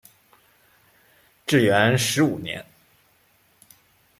至元十五年。